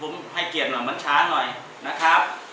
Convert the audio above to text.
ผมให้เกียรติหน่อยมันช้าหน่อยนะครับ